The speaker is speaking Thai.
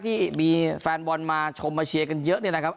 ที่มีแฟนบอลมาชมมาเชียร์กันเยอะเนี่ยนะครับ